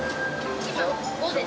今５です。